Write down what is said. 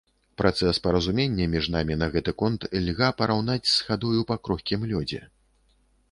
Працэс паразумення між намі на гэты конт льга параўнаць з хадою па крохкім лёдзе.